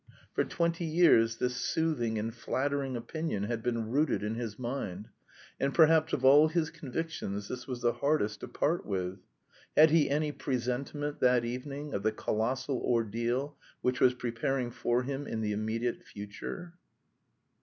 For twenty years this soothing and flattering opinion had been rooted in his mind, and perhaps of all his convictions this was the hardest to part with. Had he any presentiment that evening of the colossal ordeal which was preparing for him in the immediate future?